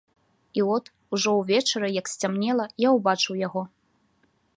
І от, ужо ўвечары, як сцямнела, я ўбачыў яго.